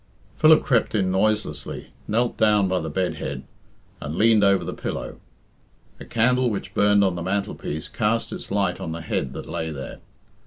Philip crept in noiselessly, knelt down by the bed head, and leaned over the pillow. A candle which burned on the mantelpiece cast its light on the head that lay there.